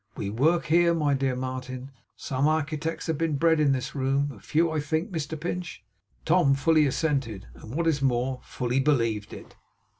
We work here, my dear Martin. Some architects have been bred in this room; a few, I think, Mr Pinch?' Tom fully assented; and, what is more, fully believed it.